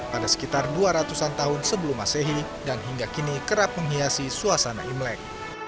pada sekitar dua ratus an tahun sebelum masehi dan hingga kini kerap menghiasi suasana imlek